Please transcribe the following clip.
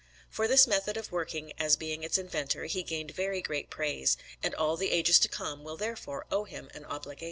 For this method of working, as being its inventor, he gained very great praise, and all the ages to come will therefore owe him an obligation.